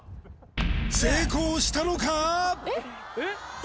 成功したのか？